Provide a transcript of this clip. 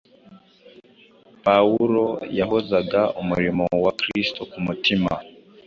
Pawulo yahozaga umurimo wa Kristo ku mutima